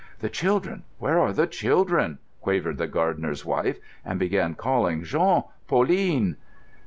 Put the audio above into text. "The children—where are the children?" quavered the gardener's wife, and began calling, "Jean! Pauline!"